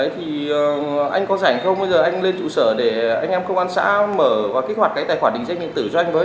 thì anh có rảnh không bây giờ anh lên trụ sở để anh em công an xã mở và kích hoạt cái tài khoản định danh điện tử cho anh với